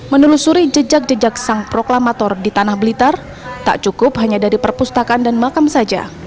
menelusuri jejak jejak sang proklamator di tanah blitar tak cukup hanya dari perpustakaan dan makam saja